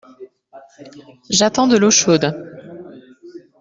J’attends de l’eau chaude.